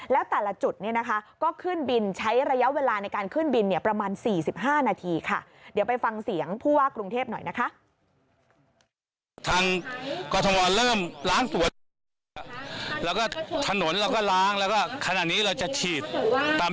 แล้วแต่ละจุดก็ขึ้นบินใช้ระยะเวลาในการขึ้นบินประมาณ๔๕นาทีค่ะ